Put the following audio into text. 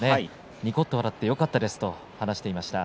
にこっと笑ってよかったですと話していました。